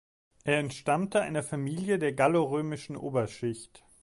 Er entstammte einer Familie der gallorömischen Oberschicht.